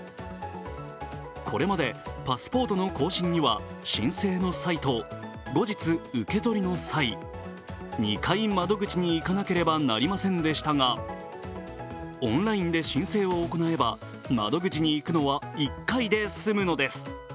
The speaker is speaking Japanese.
これまでパスポートの更新には申請の際と後日、受け取りの際、２回、窓口に行かなければなりませんでしたがオンラインで申請を行えば、窓口に行くのは１回で済むのです。